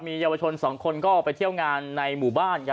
เยาวชน๒คนก็ไปเที่ยวงานในหมู่บ้าน